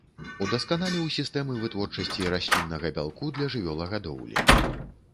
Удасканаліў сістэмы вытворчасці расліннага бялку для жывёлагадоўлі.